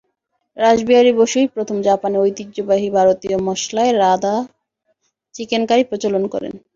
রাসবিহারী বসুই প্রথম জাপানে ঐতিহ্যবাহী ভারতীয় মসলায় রাঁধা চিকেন কারি প্রচলন করেন।